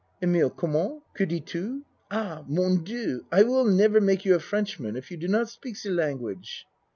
EMILE Comment? Que dis tu? Ah! Mon Dieu! I will never make you a Frenchman if you do not speak ze language.